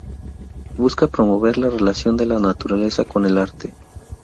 Busca promover la relación de la naturaleza con el arte.